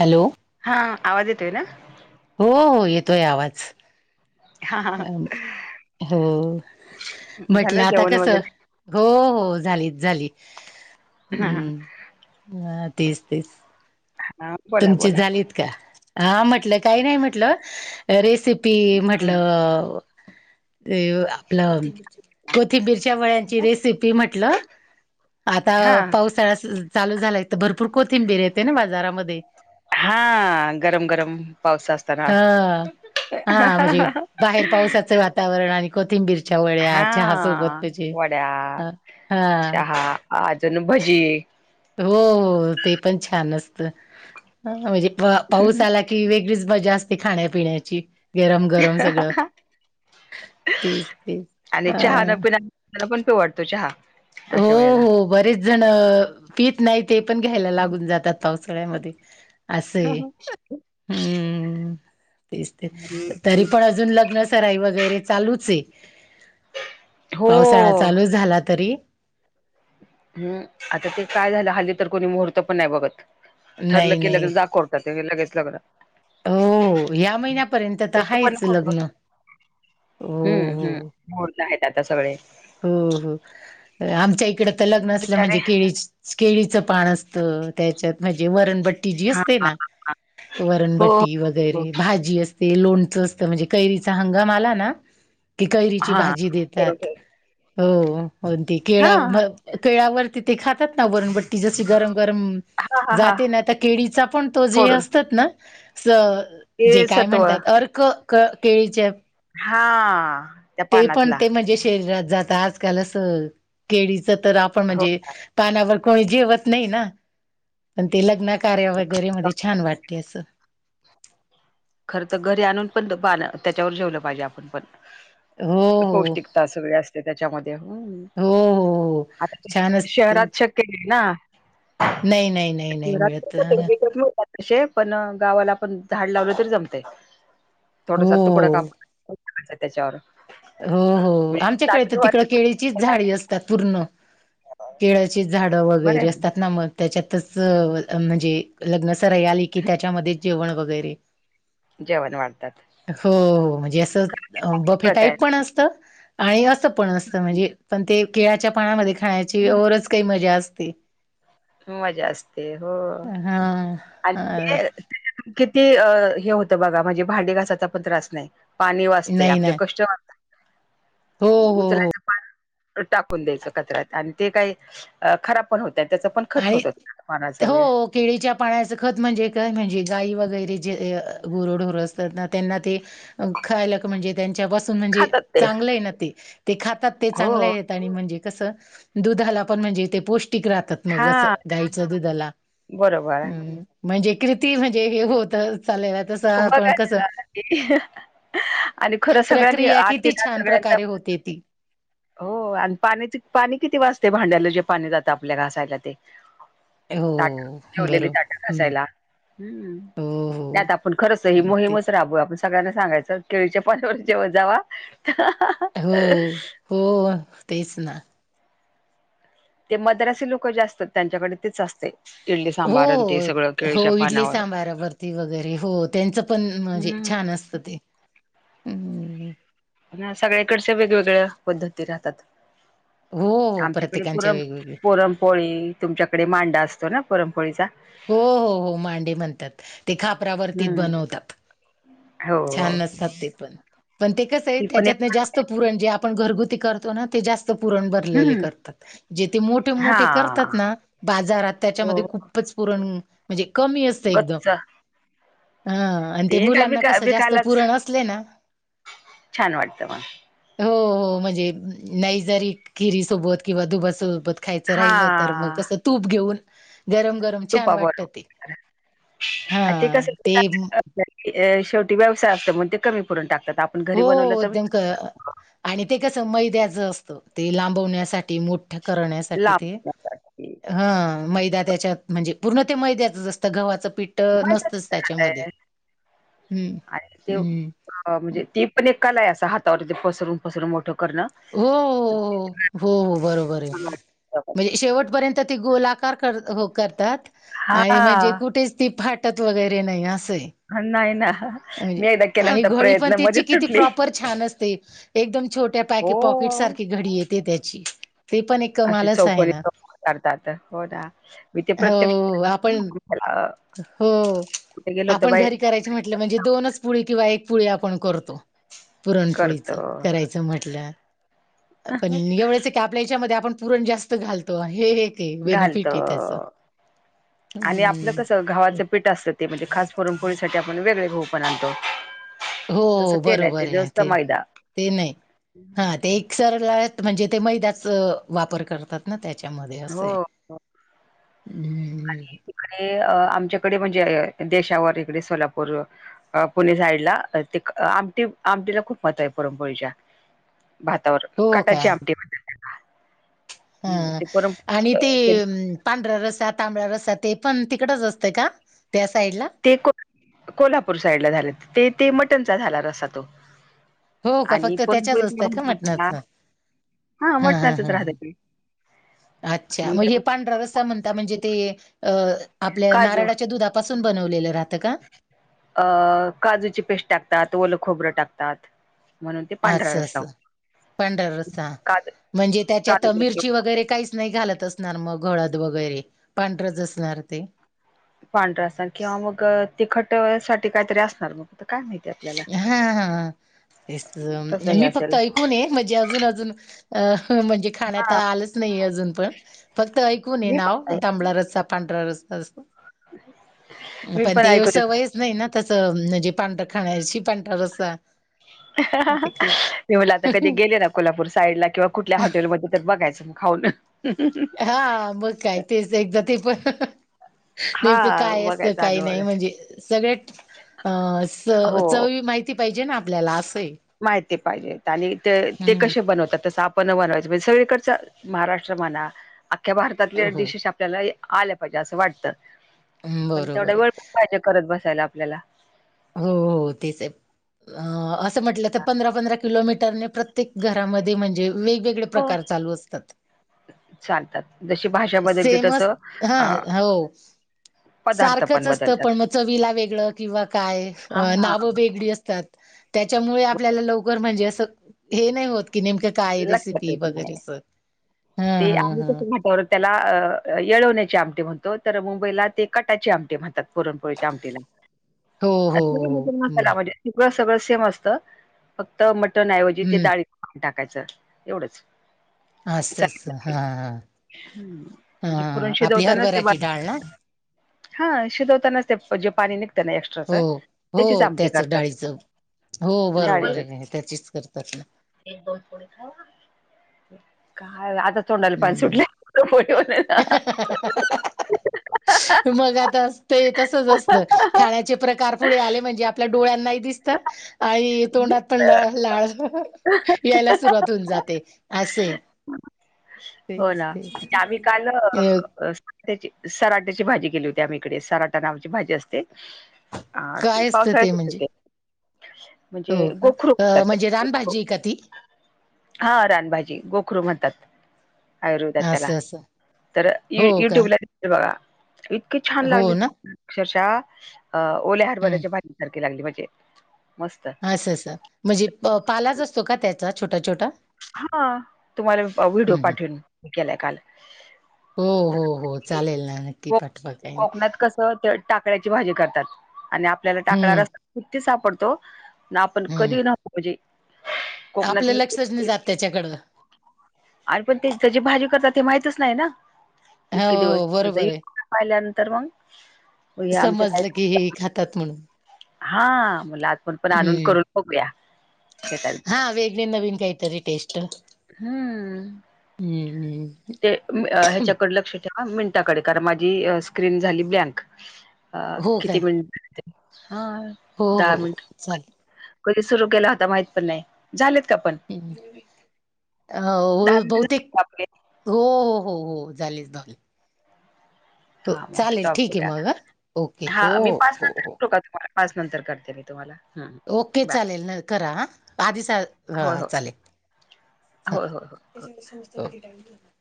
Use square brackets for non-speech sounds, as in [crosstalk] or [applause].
Hello. हा, आवाज येतोय ना? हो, हो येतोय आवाज. हा हा अ हो, म्हटलं झालं आता जेवण कसं वगैरे हो, हो झालीच झाली. हा हम्म आ तेच, तेच. हा. बोला तुमची बोला झालीत का? हा म्हटलं काही नाही म्हटलं अं रेसिपी हम्म म्हटलं ते आपलं कोथिंबीरच्या वड्यांची रेसिपी म्हटलं आता हा पावसाळा सुरु चालू झालाय, तर भरपूर कोथिंबीर येतेय ना बाजारामध्ये. हा गरम गरम पावसा हा, हा म्हणजे बाहेर पावसाचं वातावरण आणि कोथिंबीर च्या वड्या, हा चहासोबत भजी वड्या ह हा चहा अजून भजी हो, हो ते पण छान असतं. हं म्हणजे पाऊस आला की वेगळीच मजा असते खाण्यापिण्याची. गरम, गरम सगळं. तेच तेच आणि अ चहा न पिनानं ना पण पिऊ वाटत चहा. अशा वेळेला. ज्याणं पित नाही ते पण घ्यायला लागून जातात पावसाळ्यामध्ये. असे हे हम्म तेच ते. त तरी आणि पण अजून लग्नच सराई वगैरे चालूच हे, हो पावसाळा चालूच झाला तरी. हम्म आता ते काय झालं हल्ली तर कोणी मुहूर्त पण नाही बघत. ठरलं नाही केलं नाही की जा कोर्ट [unintelligible] लगेच लग्न हो हो या महिन्यापर्यंत तर तसे पण आहेच खूप लग्न. हो, हो, हम्म हम्म हो. मुहूर्त आहेत आता सगळे. हो, हो आमच्या इकडं तर लग्न असलं बिचारे म्हणजे केळीच केळीचं पाण असतं त्याच्यात म्हणजे वरण बट् टी जी हा असते ना, वरण हो बट्टी हो वगैरे भाजी अस ते लोणचं असतं म्हणजे कैरीचा हंगाम आला ना, की कैरीची हा भाजी देतात. करून ठेव हो हो आणि ती केळा हा अ केळावरती ते खातात ना, वरण बट्टी जशी गरम गरम हा हा जा हा ते ना आता केळीचा पण तो जे फोडून असतात ना स ते जे काय सत्व म्हणतात अर्क क क केळीचे हा. त्या ते पण पानातला ते म्हणजे शरीरात जात आजकाल अस केळीच तर आपण हो म्हणजे पानावर कोणी जेवत नाही ना. पण ते लग्न कार्य वगैरे मध्ये छान वाटते असं. खर तर घरी आणून पण तो पान त्याच्यावर जेवलं पाहिजे आपण पण. हो हो पौष्टिकता सगळी असते त्याच्यामध्ये हं. हो हो हो आत [unintelligible] छानच शहरात शक्य [unintelligible] ना. नाही नाही नाही नाही [unintelligible] मिळत अतिशय पण गावाला पण झाड लावलं तरी जमतंय. हो थोडसा तुकडा हो कापून [inaudible] त्याच्यावर. हो, हो म्हणजे आमच्याकडे ताट तर तिकडं केळीचीच धुवायला झाडी असतात पूर्ण. केळाची झाडं बर वैगरे असतात आहे ना मग त्याच्यातच म्हणजे लग्न सराई आली की त्याच्यामध्येच जेवण वगैरे जेवण वाढतात हो, म्हणजे असं अ बफे प्रथा टाईप आहे पण असतं आणि असं पण असतं म्हणजे पण ते केळ्याच्या पानामध्ये खाण्याची औरचं काही मजा असते. मजा असते हो हां, आणि हां. ते किती अ हे होतंय बघा म्हणजे भांडी घासायचा पण त्रास नाही. पाणी वाचतंय, नाही, आपले नाही. कष्ट वाचतात. हो, हो, हो. उचलायचं पण टाकून द्यायचं कचऱ्यात आणि ते काही अ खराब पण होतंय. आणि त्याच पण खत होत आहीत पानाचं वगैरे हो. केळीच्या पाण्याचं खत म्हणजे काय म्हणजे गाई वगैरे जे अ गुरढोर असतात ना त्यांना ते खायला म्हणजे त्यांच्यापासून म्हणजे खातात ते चांगलंय ना, ते ते खातात ते हो चांगलं हाय. आणि म्हणजे कसं दुधाला पण म्हणजे ते पौष्टिक राहतात. मग हा असं धायचं दुधाला बरोबर हम म्हणजे कृती म्हणजे हे होतं चालल्यात तसं बघा पण कसं, ना ते आणि खरं सगळ्यांनी प्रक्रिया आठ किती छान सगळ्यांचा प्रकारे होते ती. [inaudible] हो, हो आणि पाणीची पाणी किती वाचतंय भांड्याला जे पाणी जातं आपल्या घासायला ते. ताटा हो जेवलेली बरो ताट हम्म घासायला. हम्म. हो ते आता पण खरंच ही हो ते मोहीमच राबवुया आपण. सगळ्यांना सांगायचं केळीच्या पाण्यावर जेवत जावा. हो, हो तेच ना. जे मद्रासी लोक जे असतात त्यांच्याकडे तेच असतंय. हो सांभार आणि ते सगळं हो इडली पानावर सांबारावरती वगैरे हो त्यांचं पण म्हणजे हम्म. छान असतं ते. हम्म. अ सगळ्याकडच्या वेगवेगळ्या पद्धती राहतात. हो हो आमच्याकडे प्रत्येकांच्या पुरम वेगवेगळे पुरमपोळी तुमच्याकडे मांडा असतो ना पुरण पोळीचा? हो हो हो मांडे म्हणतातं, ते खापरावरती हम्म. बनवतात. छान हो नसतातं ते पण. पण, ते कसं आहे ती पण एक त्याच्यात ना जास्त पुरण जे आपण घरगुती करतो ना ते जास चं पुरण भरलेले हम्म करतात. जे ते मोठे मोठे करतातं हा. ना बाजारात हो. त्याच्यामध्ये खूप पुरण म्हणजे कमी असतयं एकदम, गच्च हा. आणि ते काय मुलांना विका कसं जास्त विकायलाच पुरण असले ना छान वाटतं मग हो, हो म्हणजे नाही जरी खिरी सोबत किंवा दुधा सोबत. खायचं हा. राहील तर मग कसं तूप घेऊन गरम गरम छान तूपा वाटत बरोबर ते. [unintelligible] आणि ते कसं [unintelligible] ए शेवटी व्यवसाय असतं म्हणून ते कमी पुरण टाकतात आप हो देम क आणि ते कसं मैद्याच असतं. ते लांबवण्यासाठी मोठं करण्यासाठी लांब ते जातात ते. हं मैदा त्याच्यात म्हणजे पूर्ण ते मैद्याचं असतं गव्हाचं पीठ ट माहितच नसतंच आहे त्याच्यामध्ये. हम्म, आणि ते हम्म. अ म्हणजे ती पण एक कला हाय असं हातावर ते पसरून पसरून मोठं करणं. हो, हो, हो, हो, हो, हो बरोबर आहे. म्हणजे शेवटपर्यंत ती गोल आ आकार कर हो करतात हा आणि म्हणजे कुठेच ती फाटत वगैरे नाही असं हे. नाही ना होय मी एकदा केला आणि होता घडी पण प्रयत्न तिची मध्येच किती सुटली प्रॉपर छान असते. एकदम छोट्या हो पॅकी पॉकेटसारखी घडी येते त्याची. ती पण एक अशी कमालच आहे चौकणी ना चौक करतात हो ना, मी ते हो प्रत्यक्ष आपण [unintelligible] अ हो, आपण घरी कराय ची म्हटलं म्हणजे दोनच पोळी किंवा एकच पोळी आपण करतो करत पुरणपोळीचा कराय च म्हटलं पण एवढंच आहे की आपल्या ह्याच्या मध्ये आपण पुरण जास्त घालतो आणि हे हे ते घालत बेनिफिट हे त्याचा गव्हाचा पीठ असतं ते म्हणजे खास पुरणपोळीसाठी आपण वेगळे गहूं पण आणतो. हो तसं ते नाही बरोबर आहे जास्त ते मैदा ते नाही हा ते एकसरला म्हणजे ते मैद्याचा वापर करतात ना त्याच्यामध्ये असे आहे. हो. हम् आणि अ आमच्याकडे म्हणजे ए देशावर इकडे सोलापूर अ पुणे साईडला ते आमटी आमटीला खूप महत्व आहे पुरणपोळीच्या. भातावर हो का कटाची आमटी म्हणे. हा आणि ते अम्म पांढऱ्या रसा, तांबड्या रसा ते पण तिकडच असतं का त्या साईडला? ते को कोल्हापूर साईडला झाले ते ते मटणचा झाला रस्सा तो. हो का आणि फक्त त्याच्याच परपोळी असतं का [unintelligible] मटणाचं हा हां हं. हां मटणाचाच हां राहत हां. ते. अच्छा आणि म हे पांढरा रस्सा म्हणता म्हणजे ते अ आपल्या काजू नारळाच्या दुधा पासून बनवलेलं राहतं का? अ काजूची पेस्ट टाकतात ओलं खोबरं टाकतात. म्हणून ते पांढरा हाचा रस्सा असं होतो. पांढरा रस्सा काजू म्हणजे त्याच्यात मिरची काजू वगैरे काहीच नाही घालत असणार मग हळद वगैरे पांढरच असणार ते. पांढरा असन किंवा मग तिखट होया साठी काहीतरी असणार मग. त काय माहिती आहे आपल्याला? हा हा तेच तसं हे मी फक्त असेल ऐक कुणे म्हणजे अजून-अजून अ म्हणजे खाण्यात हा आलंच नाही अजून पण फक्त ऐकून मी नावं पण तांबळा रस्सा पंढरा रस्सा असं मी पण ते ऐकून सवयच नाही ना तसं म्हणजे पांढरा खाण्याशी पांढरा रस्सा ते क मी म्हटला आता कधी गेले ना कोल्हापूर साईडला किंवा कुठल्या हॉटेलमध्ये तर बघायचं. खाऊन हं हं हं हा मग काय तेच एकदा ते पण नेमकं हा काय असतं बघायचा काही अनुभव नाही म्हणजे सगळं अ स हो चव ही माहिती पाहिजे ना आपल्याला असं आहे. माहिती पाहिजेत आणि ते हम्म कशे बनवतात तसं आप पण बनवायचा म्हणजे सगळीकडचा महाराष्ट्र म्हणा अख्या भारतातल्या हो डिशेष त्याला ही आलं पाहिजे असं वाटतं हम्म, पण तेवढ्या बरोबर वेळ पण पाहिजे करत बसायला आपल्याला. हो हो तेच आहे अ असं म्हटलं तर पंधरा-पंधरा किलोमीटरने प्र त्येक घरामध्ये म्हणजे वेगवेगळे हो प्रकार चालू असतात. चालतात जशी भाषा बदलते सेमस तसं हा अ हो. पदार्थ सारखंच असतं पण बदलतात मग चव्हीला वेगळं किंवा काय आहे अ हा नावं वेगळी असतात त्याच्यामुळे आपल्याला लवकर म्हणजे असं हे नाही होत की नेमकं काय लक्षात रेसिपी येत नाही वगैरे स ते आम्ही कसं घटावरत त्याला अ येळवण्याचे आमटी म्हणतो तर मुंबईला ते कटाची आमटी म्हणतात पुरणपोळीच्या आमटीला. हो हो [unintelligible] म्हणजे हो बर मसालामध्ये [unintelligible] सगळं सेम असतं फक्त मटणऐवजी ते हम्म डाळी टाकायचं एवढंच. असं असं चालेल. हा. म्हणजे पुरण हा आपली शिजवतानाच ते बा हरभराची डाळ ना हा शिजवतानाच ते जे पाणी निघत ना एक्स्ट्राच हो. हो त्याचीच आमटी त्याच करतात.. डाळीचं हो बरोबर आहे आहे त्याचीच करतात. एक दोन पुढे [inaudible] आय आता तोंडाला पाणी सुटलय. [unintelligible] ह मग आता असते तसच असतं खाण्याचे प्रकार पुढे आले म्हणजे आपल्या डोळ्यांना दिस आता आणि तोंडांत पण लाळ लाळ यायला सुरुवात होऊन जाते. अस हे तेच हो ना ते [inaudible] त्याची सराट्याची भाजी केली होती आम्ही इकडे. सराटा नावाची भाजी असते हा काय असतं पावसाळ्याचच होत म्हणजे ते. हो का म्हणजे रानभजी आहे का ती? हा रानभाजी गोखरू म्हणतात. आयुर्वेदात त्याला असं असं तर य हो का युट्युबला बघा इतकी छान हो लागली ना त अक्षरशः अ ओल्या हरभऱ्याच्या हम्म भाजीसारखी लागली म्हणजे मस्त. असं असं. म्हणजे पालाच असतो का त्याचा छोटा छोटा? हा तुम्हाला व्हिडिओ हम्म हम्म. पाठवीन केलाय काल. हो, हो, तर हो चालेल ना. नक्की को पाठवा काही नाही. कोकणात कसं टाकळ्याची भाजी करतात आणि आपल्याला टाकळा हम्म रस् किती सापडतो. ना आपण हम्म कधी ना‌ म्हजे आपलं लक्षच नाही जात त्याच्याकडं. आणि पण ते तेजी भाजी करतात हे माहितच नाही ना. इतके दिवस हो [inaudible] बरोबर आहे. पाहिल्यानंतर मग हे आमच्या समजलं की ताई हे खातात म्हणून. हा म्हंटल आज पण आणून हम्म करून बघूया. शेतात हा वेगळे नवीन काहीतरी. टेस्ट. हम्म. हम्म ते हम्म ह्याच्याकड लक्ष ठे मिनटाकडे कारण माझी स्क्रीन झाली ब्लँक. अ हो काय किती मिनट हा हो हो दहा हो मिनट चालेल कधी सुरू केला होता माहित पण नाही. झालेत का पण? हम्म दहा हो मिनिट झाले बहुतेक का आपले हो, हो, हो, हो झालेत झालेत. हा मग स्टॉप ठीक आहे करुया. मग हां. ओके हो हा मी पाच हो हो नंतर हो. करु का तुम्हाला? पाच नंतर करते मी तुम्हाला. हम्म ओके बाय चालेल न करा हा. आधीच सा हा होय हा हो चालेल. होय, होय, हो होय. हो [inaudible]